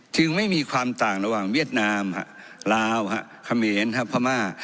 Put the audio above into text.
ไม่มีความต่างระหว่างเวียดนามลาวเขมรพม่า